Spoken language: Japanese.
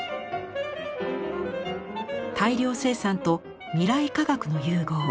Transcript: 大量生産と未来科学の融合。